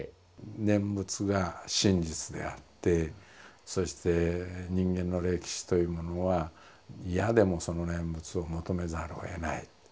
念仏が真実であってそして人間の歴史というものは嫌でもその念仏を求めざるをえない。